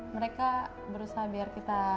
mereka berusaha supaya kita